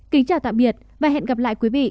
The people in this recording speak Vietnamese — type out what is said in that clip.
kính chào tạm biệt và hẹn gặp lại quý vị